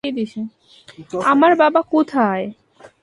আমার বাবা কোথায়?